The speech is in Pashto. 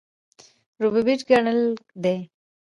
ربوبیت ګټل دی.